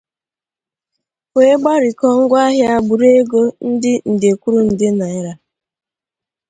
wee gbarikọọ ngwaahịa gburu ego dị nde kwùrú nde naịra.